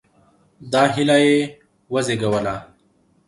دا هیله یې وزېږوله.